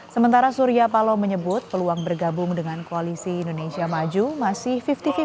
sementara surya paloh menyebut peluang bergabung dengan koalisi indonesia maju masih lima puluh lima puluh